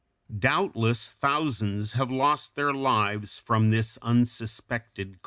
Doubtless thousands have lost their lives from this unsuspected cause.